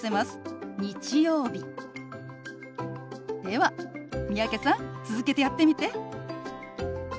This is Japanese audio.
では三宅さん続けてやってみて。